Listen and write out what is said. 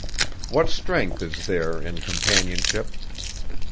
What strength is there in companionship!